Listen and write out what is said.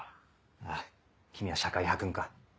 あぁ君は社会派君か。